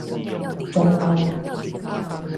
中湯